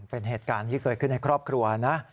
เป็นเหตุการณ์ที่เกิดขึ้นในครอบครัวนะ